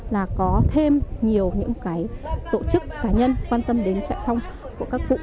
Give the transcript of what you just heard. là có thêm nhiều những cái tổ chức cá nhân quan tâm đến trại phong của các cụ